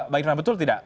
bagi irfan betul tidak